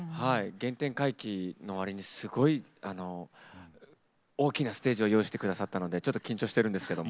原点回帰の割にすごい大きなステージを用意してくださったのでちょっと緊張してるんですけども。